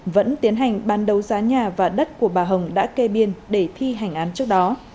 vẫn tiến hành ban đấu giá nhà và đất của bà hồng đã kê biên để thi hành án trước đó